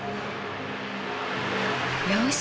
よし！